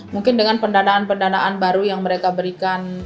mungkin dengan pendanaan pendanaan baru yang mereka berikan